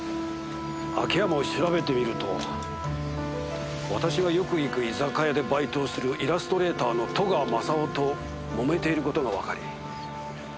秋山を調べてみると私がよく行く居酒屋でバイトをするイラストレーターの戸川雅夫ともめている事がわかり